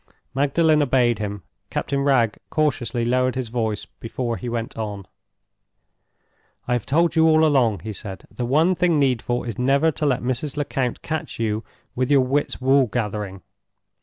Magdalen obeyed him. Captain Wragge cautiously lowered his voice before he went on. "I have told you all along," he said, "the one thing needful is never to let Mrs. Lecount catch you with your wits wool gathering.